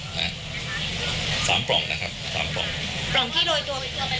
ปล่องที่โดยตัวไปแล้วปล่องเดียวหรือว่าทั้งสามปล่องที่โดยตัวแล้ว